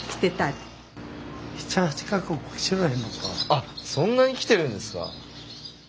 あそんなに来てるんですか。